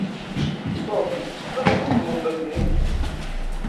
Tom, d acu txedmeḍ dagi?